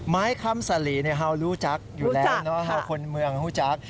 ไม้คำสลีนี่เรารู้จักอยู่แล้วคนเมืองรู้จัก